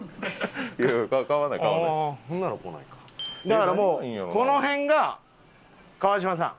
だからもうこの辺が川島さん。